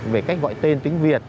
về cách gọi tên tiếng việt